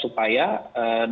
supaya dalam keadaan